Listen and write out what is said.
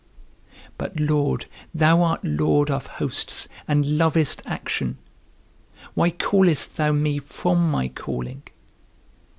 But, Lord, thou art Lord of hosts, and lovest action; why callest thou me from my calling?